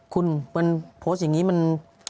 คุณมันโพสต์อย่างนี้มัน